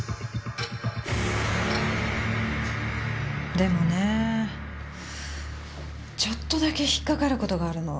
でもねちょっとだけ引っかかる事があるの。